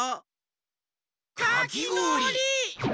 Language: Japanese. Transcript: かきごおり！